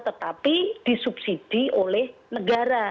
tetapi disubsidi oleh negara